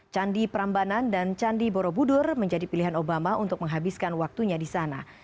candi prambanan dan candi borobudur menjadi pilihan obama untuk menghabiskan waktunya di sana